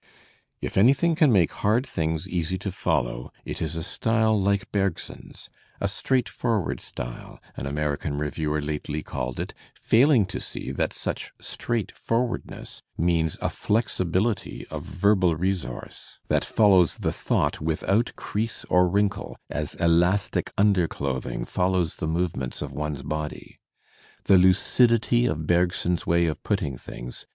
"If anything can make hard things easy to foUow it is a style like Ber gson's. A 'straightforward* style, an American ^ reviewer lately called it; failing to see that such straight forwardness means a flexibiUty of verbal resource that fol Digitized by Google S04 THE SPIRIT OF AMERICAN LITERATURE lows the thought without crease or wrinkle, as elastic under clothing follows the movements of one*s body. The luc idity of Bergson's way of putting things